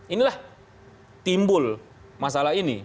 inilah timbul masalah ini